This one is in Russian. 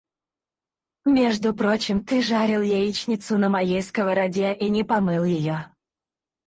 Между прочим, ты жарил яичницу на моей сковороде и не помыл ее.